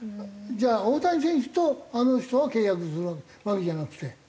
じゃあ大谷選手とあの人が契約するわけじゃなくて？